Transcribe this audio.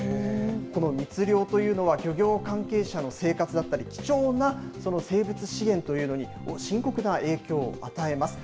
この密漁というのは、漁業関係者の生活だったり、貴重な生物資源というのに、深刻な影響を与えます。